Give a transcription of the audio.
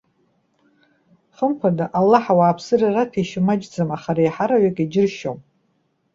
Хымԥада, Аллаҳ ауааԥсыра ираҭәеишьо маҷӡам, аха реиҳараҩык иџьыршьом.